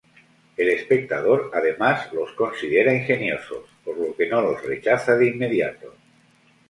El espectador, además, los considera ingeniosos, por lo que no los rechaza de inmediato.